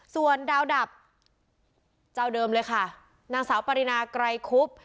ส่วนดาวดับเจ้าเดิมเลยค่ะนางสาวปรินาไกรคุบ